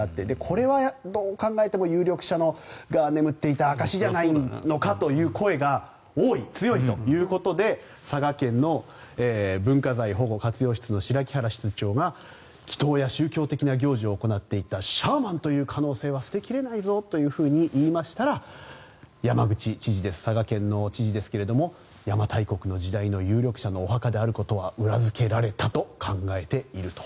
これはどう考えても有力者が眠っていた証しじゃないのかという声が強いということで佐賀県の文化財保護・活用室の白木原室長が祈祷や宗教的な行事を行っていたシャーマンという可能性は捨てきれないと言いましたら佐賀県の山口知事ですが邪馬台国の時代の有力者のお墓であることは裏付けられたと考えていると。